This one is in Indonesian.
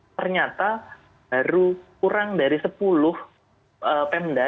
ternyata baru kurang dari sepuluh pemda